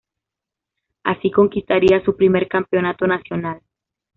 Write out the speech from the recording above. Así conquistaría su primer campeonato nacional.